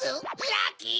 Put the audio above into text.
ラッキー！